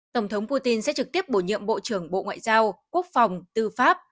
tổng thống putin sẽ trực tiếp bổ nhiệm bộ trưởng bộ ngoại giao quốc phòng tư pháp